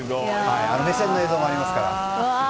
目線の映像もありますから。